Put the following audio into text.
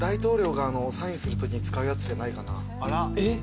えっ？